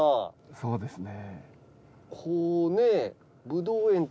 そうですね。